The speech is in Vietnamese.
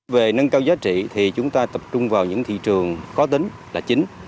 về nâng cao giá trị thì chúng ta tập trung vào những thị trường có tính là chính